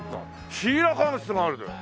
シーラカンスがある！